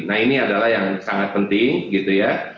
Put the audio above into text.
nah ini adalah yang sangat penting gitu ya